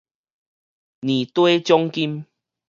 年底獎金